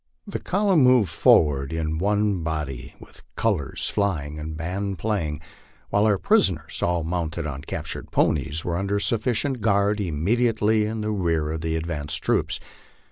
The column moved forward in one body, with colors flying and band playing, while our prisoners, all mounted on captured ponies, were under sufficient guard immediately in rear of the ad vanced troops.